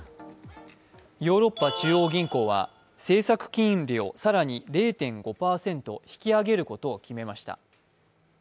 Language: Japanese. ヨーロッパ中央銀行は政策金利を更に０．５％引き上げることを決めました。